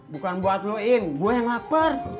bukan buat lu im gue yang lapar